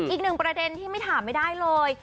อีกหนึ่งประเด็นที่ไม่ถามไม่ได้เลย